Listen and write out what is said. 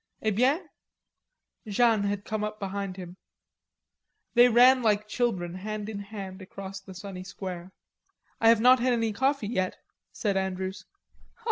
"Eh bien?" Jeanne had come up behind him. They ran like children hand in hand across the sunny square. "I have not had any coffee yet," said Andrews.